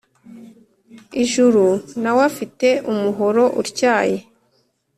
ijuru na we afite umuhoro utyaye